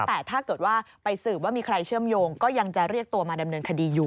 แต่ถ้าเกิดว่าไปสืบว่ามีใครเชื่อมโยงก็ยังจะเรียกตัวมาดำเนินคดีอยู่